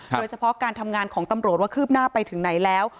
โดยเฉพาะการทำงานของตำรวจว่าคืบหน้าไปถึงไหนแล้ว